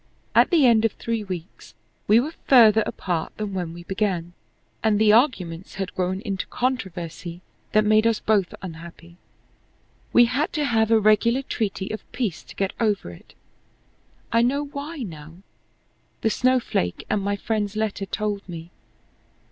At the end of three weeks we were farther apart than when we began, and the arguments had grown into controversy that made us both unhappy. We had to have a regular treaty of peace to get over it. I know why now. The snowflake and my friend's letter told me.